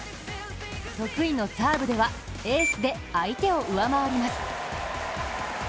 得意のサーブではエースで相手を上回ります。